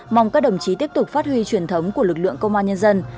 mong các đồng chí tiếp tục phát huy truyền thống của lực lượng công an nhân dân